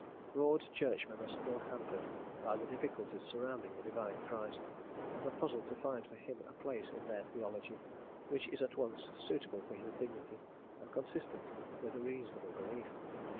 Broad Churchmen are still hampered by the difficulties surrounding a divine Christ, and are puzzled to find for him a place in their theology which is at once suitable for his dignity, and consistent with a reasonable belief.